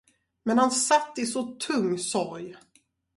Men han satt i så tung sorg.